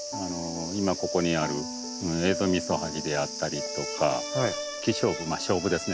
今ここにあるエゾミソハギであったりとかキショウブショウブですね